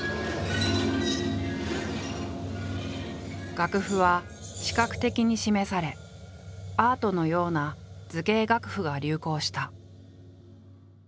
楽譜は視覚的に示されアートのような図形楽譜が流行した。